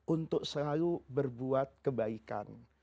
untuk selalu berbuat kebaikan